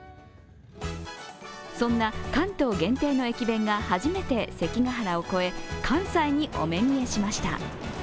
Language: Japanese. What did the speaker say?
そんな関東限定の駅弁が初めて関ヶ原を越え関西にお目見えしました。